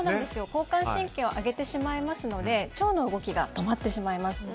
交感神経を上げてしまいますので腸の動きが止まってしまいます。